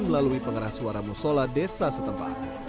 melalui pengeras suara musola desa setempat